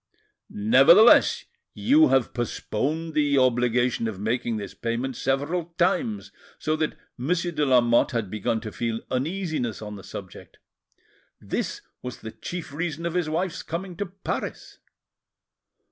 "Nevertheless, you have postponed the obligation of making this payment several times, so that Monsieur de Lamotte had begun to feel uneasiness on the subject. This was the chief reason of his wife's coming to Paris."